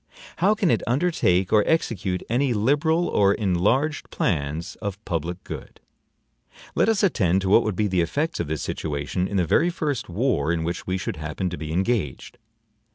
How can it undertake or execute any liberal or enlarged plans of public good? Let us attend to what would be the effects of this situation in the very first war in which we should happen to be engaged.